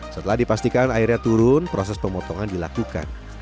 setelah dipastikan airnya turun proses pemotongan dilakukan